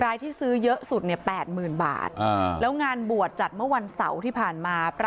รายที่ซื้อเยอะสุดเนี่ย๘๐๐๐บาทแล้วงานบวชจัดเมื่อวันเสาร์ที่ผ่านมา